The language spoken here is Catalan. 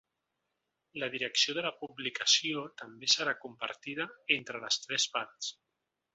La direcció de la publicació també serà compartida entre les tres parts.